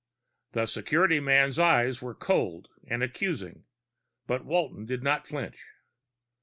The security man's eyes were cold and accusing, but Walton did not flinch.